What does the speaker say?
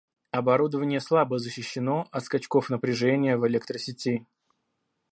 Оборудование слабо защищено от «скачков» напряжения в электросети